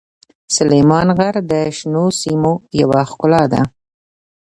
سلیمان غر د شنو سیمو یوه ښکلا ده.